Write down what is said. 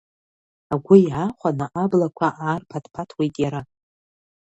Агәы иаахәаны аблақәа аарԥаҭԥаҭуеит иара.